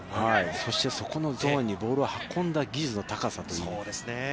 そして、そこのゾーンにボールを運んだ技術の高さという。